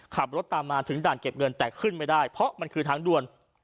ขับรถตามมาถึงด่านเก็บเงินแต่ขึ้นไม่ได้เพราะมันคือทางด่วน